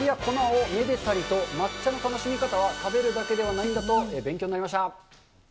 香りや粉をめでたりと、抹茶の楽しみ方は食べるだけではないんだと勉強になりました。